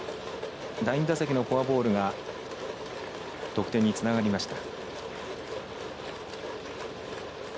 第２打席のフォアボールが得点につながりました。